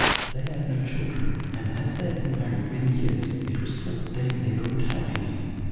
They had no children, and, as they had been married many years, it was thought they never would have any.